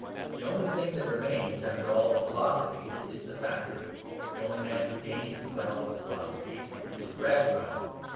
The only thing that remains after all the philosophies is the factory. The only man who gains by all the philosophies is Gradgrind.